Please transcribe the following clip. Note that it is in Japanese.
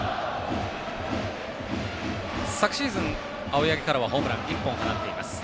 昨シーズン、青柳からはホームラン１本放っています。